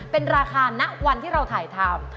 เป็นราคาณวันที่เราถ่ายทำ